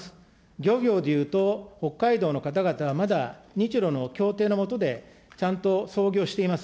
漁業でいうと北海道の方々はまた日ロの協定の下で、ちゃんと操業しています。